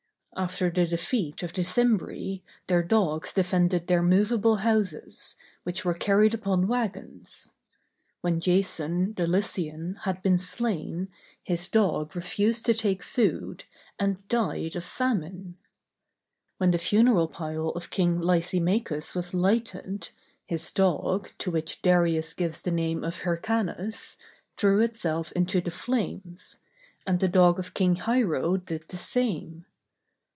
After the defeat of the Cimbri, their dogs defended their movable houses, which were carried upon wagons. When Jason, the Lycian, had been slain, his dog refused to take food, and died of famine. When the funeral pile of King Lysimachus was lighted, his dog, to which Darius gives the name of Hyrcanus, threw itself into the flames, and the dog of King Hiero did the same.